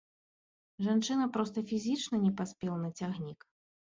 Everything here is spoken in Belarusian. Жанчына проста фізічна не паспела на цягнік.